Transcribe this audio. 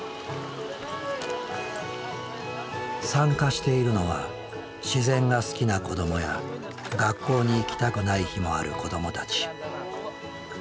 参加しているのは自然が好きな子どもや学校に行きたくない日もある子どもたち。